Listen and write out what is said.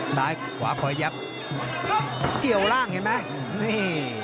ซ้ายขวาขอยับเกี่ยวร่างเห็นไหม